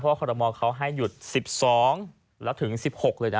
เพราะคนรมอลเขาให้หยุด๑๒และถึง๑๖เลยนะ